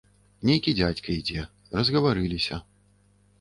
Нейкі дзядзька ідзе, разгаварыліся.